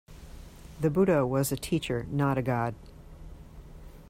The Buddha was a teacher, not a god.